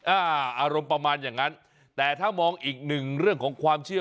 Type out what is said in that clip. อารมณ์ประมาณอย่างนั้นแต่ถ้ามองอีกหนึ่งเรื่องของความเชื่อ